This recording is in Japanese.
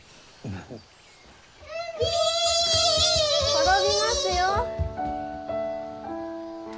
転びますよ！